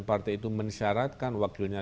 partai itu mensyaratkan wakilnya